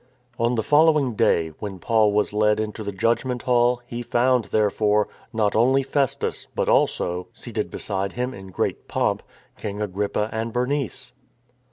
On the following day, when Paul was led into the Judgment Hall, he found, therefore, not only Festus, but also — seated beside him, in great pomp — King Agrippa and Bernice.